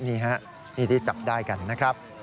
นี่ฮะนี่ที่จับได้กันนะครับ